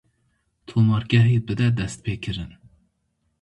Tomargehê bide destpêkirin.